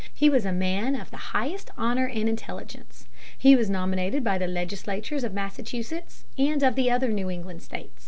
He was a man of the highest honor and intelligence. He was nominated by the legislatures of Massachusetts and of the other New England states.